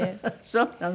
そうなの？